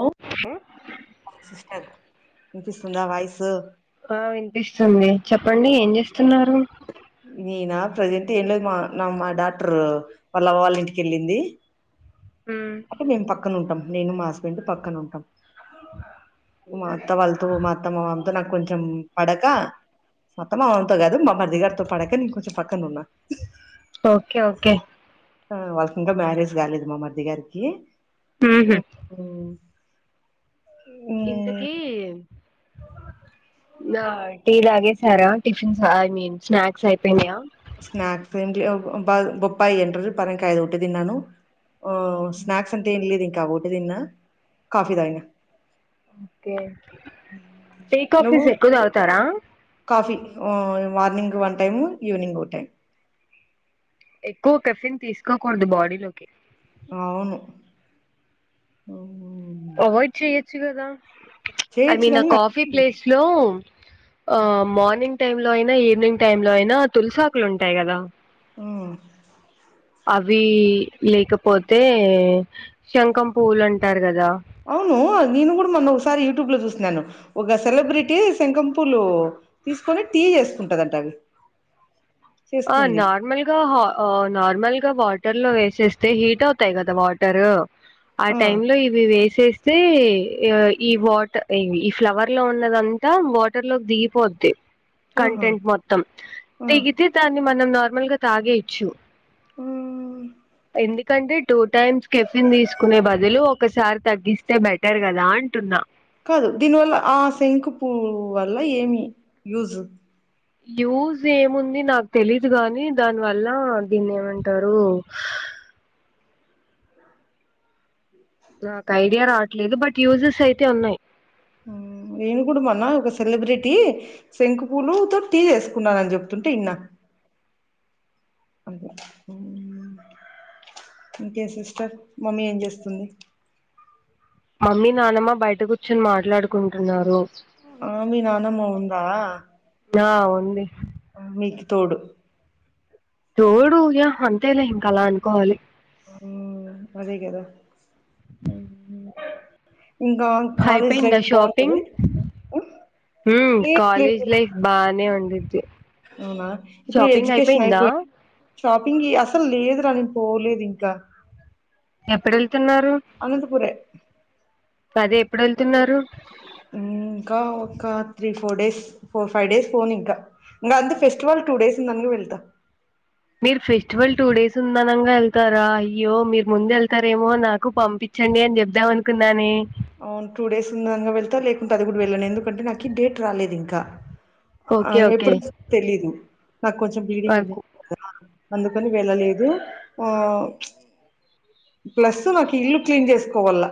Hello sister పిస్తుందా voice ఆ వినిపిస్తుంది చెప్ చెప్పండి ఏం జేస్తున్నారు నేనా ప్రజెంట్ ఏమ్లేదు మా నా మా డాట్రూ వాళ్ళ అవ్వల్ల ఇంటికెళ్ళింది మ్మ్. అంటే మేము పక్కనుంటం నేను మా హస్బెండ్ పక్కన ఉంటాం మా మత్త వాల్తో మా అత్త మామ నాకు కొంచెం పడక మా అత్త మామతో గాదు మా మరిది గారితో పడక నేను కొంచెం పక్కన ఉన్నా ఓకే ఓకే ఆ వాల్కింకా మ్యారేజ్ గాలేదు మా మరిది గారికి ఇ హ్మ్ హు ఇంతకీ నా టీ తాగేసారా టిఫిన్స్ ఐ మీన్ స్నా స్నాక్స్ ఏం లేవ్ బా బొప్పాయింటరు పరెంకాయ అదు ఉంటే దిన్నాను ఓ స్నాక్స్ అంతేంలేదు క వొటి దిన్నా కాఫీ దాగినా ఓకే టీ కాఫీస్ నువ్వు ఎక్కువ తాగుతారా కాఫీ హ్మ్ మార్నింగ్ వన్ టైము ఈవెనింగ్ ఓ టైమ్ ఎక్కువ కెఫిన్ తీసుకోకూడదు బాడీలోకి అవును అవాయిడ్ చేయొచ్చు కదా ఐ చేయొచ్చు మీన్ ఆ కానీ నాకు కాఫీ ప్లేస్ లో ఆ మార్నింగ్ టైం లో అయినా ఈవినింగ్ టైమ్ లో అయినా తులసాకులు ఉంటాయి కదా హ్మ్ అవి లేకపోతే శంఖం పువ్వులు అంటారు కదా అవును నేను కూడా మొన్న ఒకసారి యూట్యూబ్ లో చూసినాను ఒక సెలబ్రిటీ శంకం పూలు తీసుకొని టీ చేసుకుంటాదంట అవి ఆ చేసుకుంది నార్మల్గా హా ఆ నార్మల్ గా వాటర్ లో వేసేస్తే హీట్ అవుతాయి కదా వాటరు ఆ టైం లో ఇవి వేసే తే ఈ వాట ఇవి ఫ్లవర్లో ఉన్నదంత వాటర్లోక్ దిగిపోద్ది. ఆహా కంటెంట్ మొత్తం ఆ దిగి. తి మనం నార్మల్గా తాగెయ్. చు ఆ ఎండి కంటె టూ టైమ్స్ కెఫిన్ దీసుకునే బదులు ఒకసారి తగ్గిస్తే బెటర్ గదా అంటున్నా. కాదు దీనివల్ల ఆ శంకు పూవు వల్ల ఏమి యూజ్. యూజేముంది నాక్ తెలీదు గాని దాన్వల్ల దీన్నేమంటారు. నాకైడియా రావట్లేదు బట్. యూజెసైతే ఉన్నాయ్. ఉమ్ నేను గూడ్ మొన్న ఒక సెలబ్రిటీ శంఖు పూలు తో టీ జేస్కున్నానన్ జెప్తుంటె ఇన్న అంతె ఉమ్ ఇంకే సిస్టర్ మమ్మీ ఏం జేస్తుంది. మమ్మీ నానమ్మ బయట గుచ్చోన్ మాట్లాడుకుంటున్నారు. ఆ మి నానమ్మ ఉందా. ఆ ఉంది. మీకు తోడు తోడు [unintelligible] అంతేలే ఇంకలా అనుకోవాలి. ఉమ్ అదేగద. అయ్పోయ్ందా షాపింగ్ ఉమ్, ఉమ్ లేదు కాలేజ్ లైఫ్ బానే ఉండిద్. తె ఔనా ఇప్పుడు ఎడ్యుకేషన్ అయ్పోయ్. షాపింగి అసల్ లేదురా నేన్ పోలేదింక. ఎప్పుడెళ్తున్నారు. అదె ఎప్పుడెళ్తున్నారు. ఇంకా ఒక three four days four five days ఫోనింక ఇంగందు ఫెస్టివల్ టూ డేస్ ఉందన్గ వెళ్త. మీరు ఫెస్టివల్ టూ డేస్ ఉందనంగా యెళ్తారా అయ్యో మీర్ ముందెళ్తారేమో నాకు పంపిచ్చండి అని చెబ్దాం అనుకున్నానే. ఔన్ టూ డేస్ ఉందనంగ వెళ్తా లేకుంటే అది గూడ వెళ్ళను ఎందుకంటే నాకి డేట్ రాలేదింకా. ఆ ఓకే ఓకే ఎప్పుడు తెలీదు. నాక్ కొంచెం బ్లీడింగ్ అదే ఎక్కువ్ [unintelligible] అందుకని వెళ్ళలేదు ఆ ప్చ్. ప్లస్సు నాకి ఇల్లు క్లీన్ జేస్కోవాల్ల.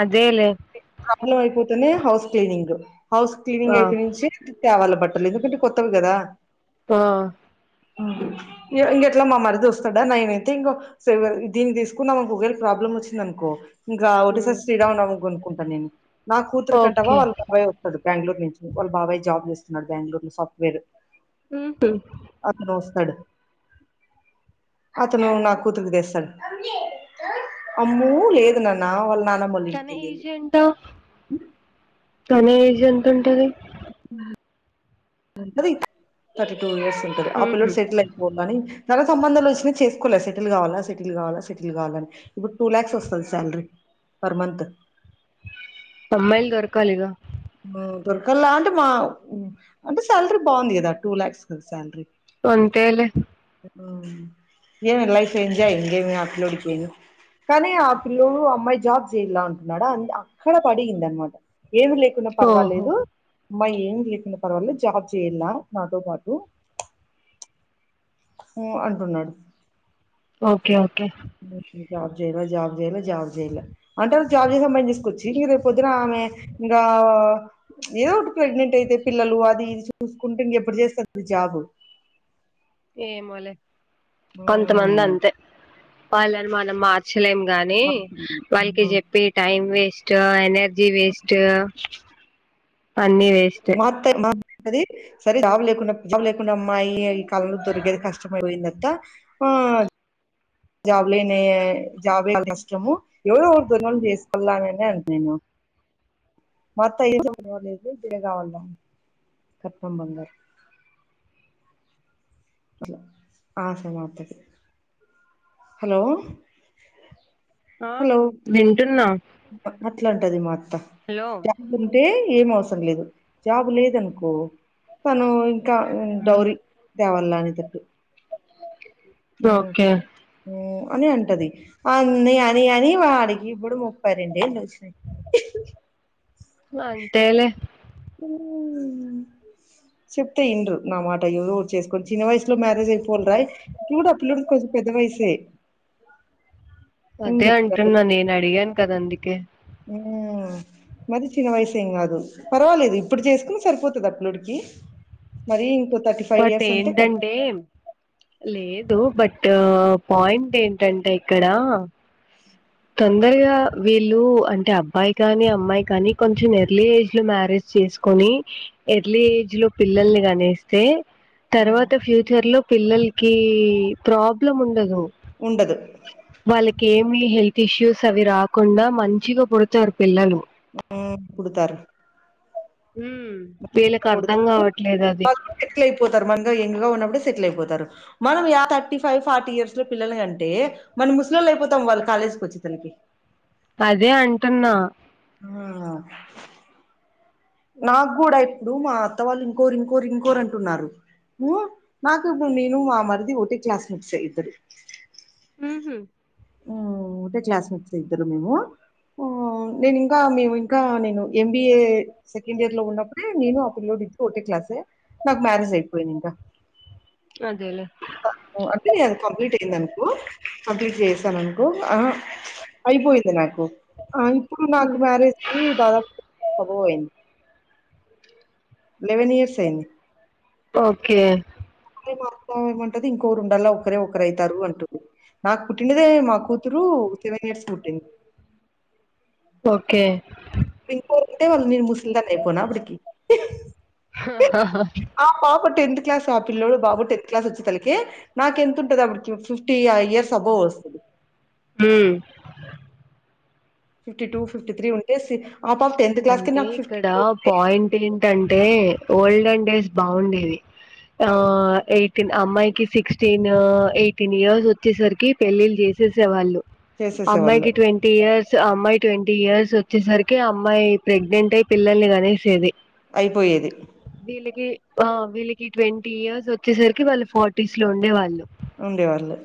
అదేలె. [unintelligible] అయ్పోతనే హౌస్ క్లీనింగు. హౌస్ క్లీనింగ్ ఆ అయిపెయ్ నించి. త్యావాల బట్టలు ఎందుకంటె కొత్తవ్ గదా. ఆ అ య ఇంగెట్ల మా మరిదొస్తడా నైనైతె ఇంగొ [unintelligible] దీన్ని దీస్కున్నామనుకో ఒగేల్ ప్రాబ్లమొచ్చిందనుకో. ఇంగా ఉమ్ ఒకటేసారి శ్రీరామనవమి. కుంట నేను. నా కూతురుకంటవా ఓకే వాళ్ళ బాబాయొప్పడు బ్యాంగ్ళూర్ నుంచి వాళ్ళ బాబాయ్ జాబ్ జేస్. మరి బెంగ్ళూరు లో సాఫ్ట్వేర్ ఉహు తాడు అతను నా కూతురికి తెస్తాడు అమ్ము లేదు నాన్న వాళ్ళు [unintelligible] తన ఏజ్ ఎంత తన ఏజ్ ఎంతుంటది ఆ ఉంటది [unintelligible] టూ ఇయర్స్ ఉంటుది ఆ ఉహు పిల్లోడు సెటిల్ అయిపోయిండని చాలా సంబంధాలు వచ్చినా చేసుకోలే సెటిల్ కావాలా సెటిల్ కావాలా సెటిల్ కావాలాని ఇప్పుడు టూ ల్యాక్స్ వస్తుంది సాలరీ పర్ మంత్ అమ్మాయిలు దొరకాలిగా దొరకల్లా అంటే మా అంటే శాలరీ బావుంది కదా టూ లాక్స్ కదా శాలరీ అంతేలే ఊ ఏమి లైఫ్ ఎంజాయ్ ఇంకేమి ఆ పిల్లోడికేమి కానీ ఆ పిల్ల్లోడు ఆ అమ్మాయి జాబ్ చెయ్లా అంటున్నాడా అ అక్కడ పడియిది అనమాట ఏమి లే పొయినా ఓహో పర్వాలేదు అమ్మాయి ఏం లేకుండా పర్వాలేదు జాబ్ చెయ్యలా నాతో పాటు ఊ అంటున్నాడు ఓ కే ఓకే జాబ్ జెయ్ లా జాబ్ అంటారు జాబ్ చేసే అమ్మాయిని తీసుకొచ్చి మీ రేప్ పొద్దున ఆమె ఇంకా ఏదో ఒకటి ప్రెగ్నెంట్ అయితే పిల్లలు అది ఇది చూసుకుంటే ఇంక ఎప్పుడు చేస్తాది జాబు ఏమోలే కొంతమంది అంతే వాళ్ళని మనం మార్చ్ చలేం గాని వాళ్ళకి చెప్పి time waste to energy waste అన్నీ వేస్టే టది సరే జాబ్ లేకుండా జాబ్ లేకుండా అమ్మాయి ఈ కాలంలో దొరికేది కష్టమైపోయిందంతా ఆ జాబ్ లేని జాబ్ [unintelligible] కష్టము ఎవరో వోరు దొరినోలు చేసుకొల్లనే అంటి నేను మొత్తం [unintelligible] పోలేదు [unintelligible] కావల్నా కట్నం బంగారు [unintelligible] ఆశ మా అత్తకి హలో ఆ విన్ వింటున్నా అట్లంటది మాత్ హలో త్తం [unintelligible] ఉంటే ఏం అవస్ సం లేదు జాబు లేదనుకో తను క ఉమ్మ్ డౌరి దేవలానే తట్టు అ ఓకే హు అని అంటది అన్నీ అని అని వాడికి ఇప్పుడు ముప్పై రెండేళ్ళు వచ్చినయి అంతేలే చెప్తే ఇండ్రు నా మాట ఏదో చేసుకొని చిన్న వయసులో మ్యారేజ్ అయిపోండ్రాయి ఇప్పుడు ఆ పిల్లడు కొంచం పెద్ద వయస్సే అదే అంటున్నా నేను అడిగాను కదా అందుకే ఉ మరి చిన్న వయసేమ్ గదు పర్వాలేదు ఇప్పుడు చేసుకున్న సరిపోతది ఆ పిల్లోడికి మరీ ఇంకొ బట్ ఎంటంటే లేదు బట్ పాయింట్ ఏంటంటే ఇక్కడ తొందరగా వీళ్ళు అంటే అబ్బాయి కానీ అమ్మాయి కానీ కొంచెం ఎర్లీ ఏజ్ లో మ్యారేజ్ చేసుకొని ఎర్లీ ఏజ్ లో పిల్లల్ని కనిస్తే హ్మ్. తర్వాత ఫ్యూచర్ లో పిల్లల్ కి ప్రాబ్లం ఉండదు ఉండదు వాళ్ళకేమి హెల్ప్ టిష్యూస్ అవి రాకుండా మంచిగా పుడతారు పిల్లలు ఆ పుడుతారు హుమ్ ారు వాళ్ళు సెటిల్ అయిపోతారు మనమ్ ఎంగగా ఉన్నప్పుడే సెటిల్ అయిపోతారు మనం yeah thirty five forty years లో పిల్లల్ని కంటే మనం ముసలొల్లయిపోతాం వాళ్ళు కాలేజీకి వచ్చిసరికి అదే అంటున్నా ఆ నాకు కూడా ఇప్పుడు మా అత్త వాళ్ళు ఇంకోరు ఇంకోరు ఇంకోరు అంటున్నారు హు నాకు ఇప్పుడు నేను మా మరిది ఒకటే క్లాస్మేట్స్ ఏ ఇద్దరు మ్ హు హు ఒకటే క్లాస్మేట్స్ ఇద్దరు మేము హు నేను ఇంకా మేము ఇంకా నేను ఎంబిఏ సెకండ్ ఇయర్ లో ఉన్నప్పుడే నేను ఆ పిల్లోడు ఇద్దరు ఒకటే క్లాసే నాకు మ్యారేజ్ అయిపోఇంది ఇంకా అదేలే నే అది కంప్లీట్ అయిింది అనుకో కంప్లీట్ చేస్ తనన్ క్కో ఆహ అయిపోఇంది నాక్ ఆ ఇప్పుడు నాకు మ్యారేజ్ అయి దాదాపు లేవెన్ ఇయర్స్ ఆఇంది ఓకే గా మా అత్త ఏమంటది ఇంకోరుడల్ల ఒక్కరే ఒకరయితార్రు అంటుంది నాకు పుట్టినదే మా కూతురు సెవెన్ ఇయర్స్ కు పుట్టింది ఓకే మీను పోంటే వాళ్ళు నీను ముసల్దానై పోనా అప్పటికి హ హ హ టెన్త్ క్లాస్ ఆ పిల్లడు బాబు టెన్త్ క్లాస్ వచ్చే తలకి నాకు ఎంతుంటది అపుడు ఫిఫ్టీ ఇయర్స్ అబవ్ వస్తది మ్ ఫిఫ్టీ టూ ఫిఫ్టీ ్రీ ఉంటే సి ఆ పాప క్లాస్‌కి అంటే నాకు ఇక్కడ ఉంటే పాయింట్ ఏంటం టే ఓల్డెన్ డేస్ బాగుండేది ఆ అవును ఏట్ అమ్మాయికి సిక్స్టీన్ ఎయిటీన్ ఇయర్స్ వచ్చేసరికి పెళ్లిలు చేసేసేవాళ్ళు చేసేసేవాళ్ళు అమ్మాయికి ట్వంటీ ఇయర్స్ అమ్మాయి ట్వంటీ ఇయర్స్ వచ్చేసరికి అమ్మాయి ప్రెగ్నెంట్ అయి పిల్లల్ని కనేసేది అయిపోయేది వీళ్ళకి వీళ్ళకి ట్వంటీ ఇయర్స్ వచ్చేసరికి వాళ్ళు ఫార్టీస్ లో ఉండే వాళ్ళు ఉండే వాళ్ళు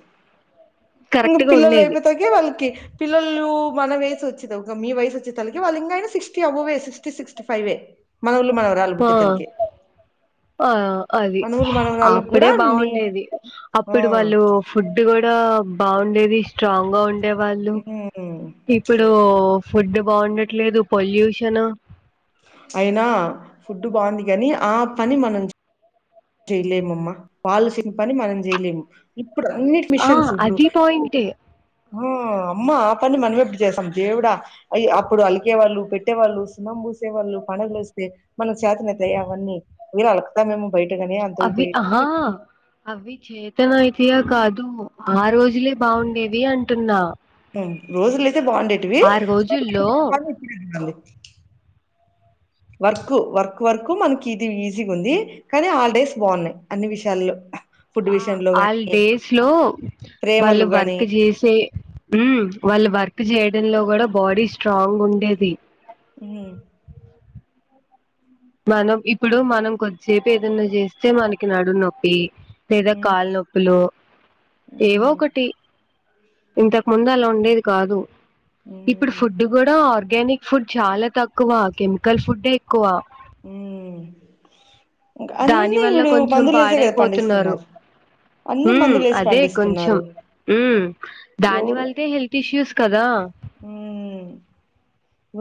ఇంకా కరెక్ట్ గా పిల్లలు ఉండేది లేపోతాయికి వాళ్ళకి పిల్లలు మన వయసు వచ్చిది ఒక మీ వయసు వచ్చి తలకి వాళ్ళం sixty above sixty sixty five వే మన ఆ ఆ అది మనవులు మనవరాళ్ళకి అప్పుడే కూడా నీ బాగుండేది ఆ అప్పుడు వాళ్ళు ఫుడ్ కూడా ఇ బాగుండేది స్ట్రాంగ్ గా ఉం డే వాళ్ళు ఉమ్ ఇప్పుడు ఫుడ్ బాగుండట్లేదు పొల్యూషన్ అయినా ఫుడ్ బాగుంది కాని ఆ పని మనం చే చెయలేముమ్మా వాళ్లు చేసిన పని మనం చెయలేము ఇప్పుడు అన్నిటి ఆ మిషన్స్ ఇప్పుడు అది పాయింటే ఆ అమ్మా ఆ పని మనం ఎప్పుడు చేస్తాం దేవుడా అప్పుడు అలికేవాళ్ళు పెట్టేవాళ్ళు సున్నాం పూసేవాళ్ళు పండుగలు వస్తే మనం చాతనైతే అవన్నీ వళ అలుకుతామేమో గాని అంతో ఇంతో అభి ఆహా అవి చేతనైతే తీయా కాదు ఆ రోజులే బాగుండేవి అంటున్నా రోజులి తే బాగుండేటివి ఆ రోజుల్లో [inaudible] వి వర్క్ వర్క్ వర్క్ మనకి ఇది ఈజీ ఉంది కానీ హాలిడేస్ బాగున్నాయి అన్ని విషయాల్లో ఫుడ్ ఆ విషయంలో ఆల్ గాని డేస్ లో వాళ్ళు ప్రేమలు గాని వర్క్ చేసే వాళ్ళు వర్క్ ప్పు చేయడంలో కూడా బాడీ స్ట్రాంగ్ ఉండేది ఉమ్ మనం ఇప్పుడు మనం కొద్దిసేపు ఏదన్నా చేస్తే మనకి నడుము నొప్పి లేదా ఉమ్ కాళ్లునొప్పులు ఏవో ఉమ్ ఒకటి ఇంతకు ముందు అలా ఉండేది కాదు ఇప్పుడు ఉమ్ ఫుడ్ కూడా ఆర్ ఆర్గానిక్ ఫుడ్ చాలా తక్కువ కెమికల్ ఫుడ్ డే ఎక్కువ అ ఇంకా దాని అన్ని వల్ల ఇప్పుడు కొంచెం మందులు వసే కదా పండిస్తున్నారు హ అన్ని మందులేసి అదే కొంచెం పండిస్తున్నారు దాని ఎవరు వళతే హెల్త్ ఇష్యూస్ కదా మ్మ్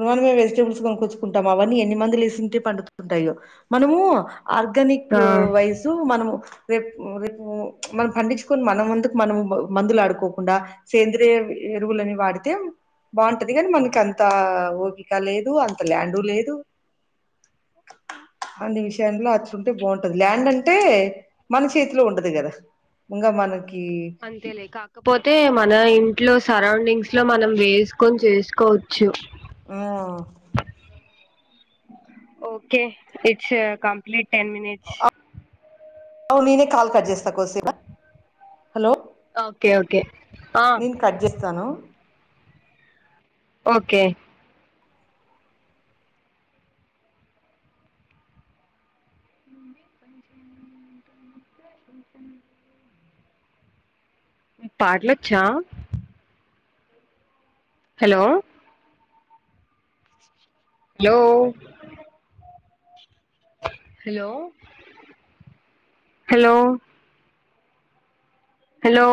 మనమే వెజిటబుల్స్ కొనుకొచ్చుకుంటాము అవన్నీ ఎన్ని మందులు వేసింటే పండుతుంటాయో మనమూ ఆర్గానిక్ ఆ వయసు మనమ్ రేపు రేపు మనం పండించుకొని మనంమందుకు మనం మందులు ఆడుకోకుండా సేంద్రిీయ ఎరువులని వాడితే బాగుంటది కని మనకి అం తా ఓపిక లేదు అంత ల్యాండు లేదు అన్ని విషయాంలో ఒచ్చంటే బాగుంటది ల్యాండ్ అంటే మన చేతిలో ఉండదు గదా ఇంగ మన అంతేలె కాకపోత్ తే మన ఇంట్లో సరౌండింగ్స్ లో మనం వేస్కోని చేస్కోచ్చు ఆ okay it's complete ten minutes ఔను నెనే కాల్ కట్ జేస్త కోసే ఓకే ఒకే అ నేను కట్ చేస్తాను ఒకే పాట్లోచ్చా హలో లో హలో హలో హలో